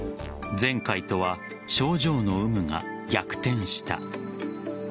前回とは症状の有無が逆転した。